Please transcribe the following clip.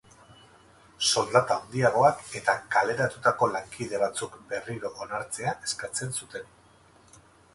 Soldata handiagoak eta kaleratutako lankide batzuk berriro onartzea eskatzen zuten.